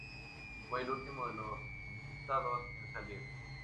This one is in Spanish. Fue el último de los imputados en salir.